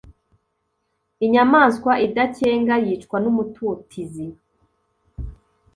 Inyamaswa idakenga yicwa n’umututizi.